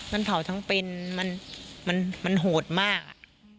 มันเผาทั้งเป็นมันโหดมากอ่ะ